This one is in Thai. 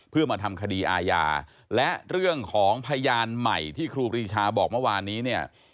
เพื่อมาทำคดีอาญาและเรื่องของพยานใหม่ที่ครูปรีชาบอกเมื่อวานนี้เนี่ย